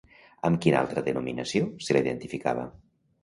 Amb quina altra denominació se la identificava?